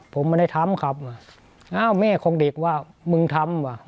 ผมไม่ได้ทำครับอ้าวแม่ของเด็กว่ามึงทำว่ะ